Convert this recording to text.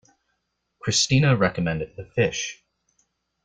Christina recommended the fish.